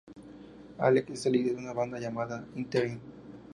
Alec es el líder de una banda llamada "Interim".